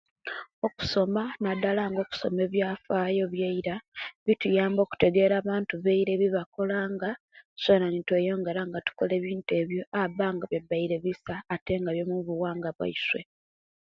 Okusoma nadalanga okusoma ebiafayo ebiera bituyamba okutegera abantu beira ebibakolanga fena nitweyongera okukola ebintu ebyo ebibabanga byabere bisa atenga byomubuwanga bwaife